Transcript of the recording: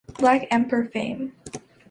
Black Emperor fame.